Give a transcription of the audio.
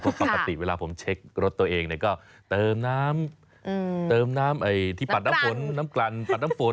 เพราะปกติเวลาผมเช็ครถตัวเองก็เติมน้ำเติมน้ำที่ปัดน้ำฝนน้ำกลั่นปัดน้ำฝน